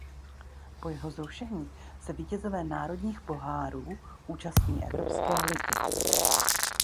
Po jeho zrušení se vítězové národních pohárů účastní Evropské ligy.